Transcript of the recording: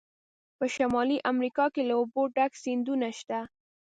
په شمالي امریکا کې له اوبو ډک سیندونه شته.